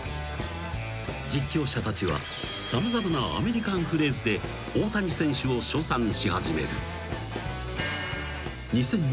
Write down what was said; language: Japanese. ［実況者たちは様々なアメリカンフレーズで大谷選手を称賛し始める］